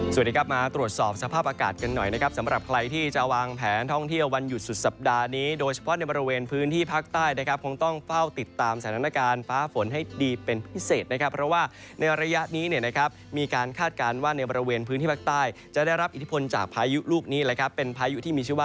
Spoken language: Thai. สวัสดีครับมาตรวจสอบสภาพอากาศกันหน่อยนะครับสำหรับใครที่จะวางแผนท่องเที่ยววันหยุดสุดสัปดาห์นี้โดยเฉพาะในบริเวณพื้นที่ภาคใต้นะครับคงต้องเฝ้าติดตามสถานการณ์ฟ้าฝนให้ดีเป็นพิเศษนะครับเพราะว่าในระยะนี้นะครับมีการคาดการณ์ว่าในบริเวณพื้นที่ภาคใต้จะได้รับอิท